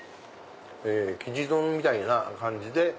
きじ丼みたいな感じで。